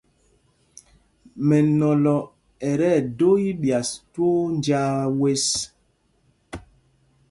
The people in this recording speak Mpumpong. Mɛnɔlɔ ɛ tí ɛdō íɓyas twóó njāā zes.